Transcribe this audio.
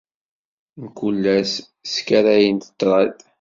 Mkul ass, sskarayen ṭṭrad.